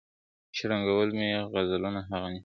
شرنګول مي غزلونه هغه نه یم ..